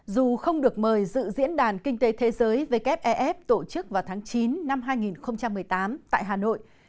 dù không được mời dự diễn đàn kinh tế thế giới wef tổ chức vào tháng chín năm hai nghìn một mươi tám tại hà nội